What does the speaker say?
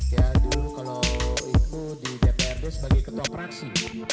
ya dulu kalau itu di dprd sebagai ketua praksi